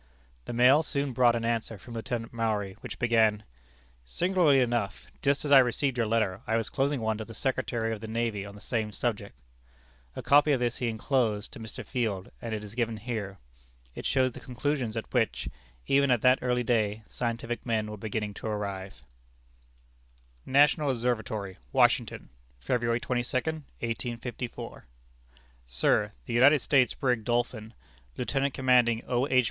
The mail soon brought an answer from Lieutenant Maury, which began: "Singularly enough, just as I received your letter, I was closing one to the Secretary of the Navy on the same subject." A copy of this he inclosed to Mr. Field, and it is given here. It shows the conclusions at which, even at that early day, scientific men were beginning to arrive: "National Observatory, Washington, February 22, 1854. "Sir: The United States brig Dolphin, Lieutenant Commanding O. H.